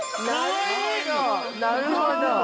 なるほど！